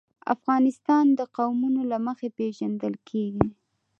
افغانستان د قومونه له مخې پېژندل کېږي.